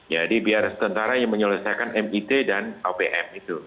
jadi biar tentara yang menyelesaikan mit dan opm itu